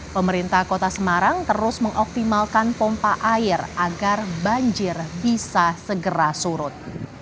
pemerintah kota semarang terus mengoptimalkan pompa air agar banjir bisa segera surut